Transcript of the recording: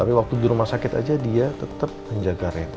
tapi waktu dulu dia udah sakit aja dia tetep menjaga rena